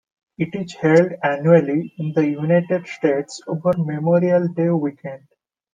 It is held annually in the United States over Memorial Day weekend.